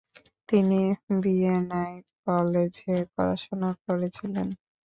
তিনি ভিয়েনায় কলেজে পড়াশোনা করছিলেন।